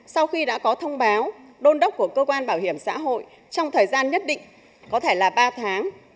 sau khi đã có thông báo đôn đốc của cơ quan bảo hiểm xã hội trong thời gian nhất định có thể là ba tháng